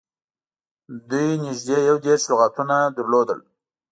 دوی نږدې یو دېرش لغاتونه یې لرل